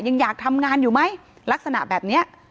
ยังอยากทำงานอยู่ไหมลักษณะแบบนี้